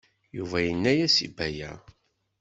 Yuba yenna-as i Baya.